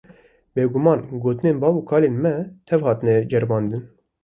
Bêguman gotinên bav û kalanên me tev hatine ceribandin.